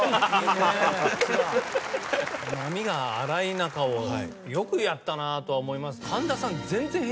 波が荒い中をよくやったなと思います。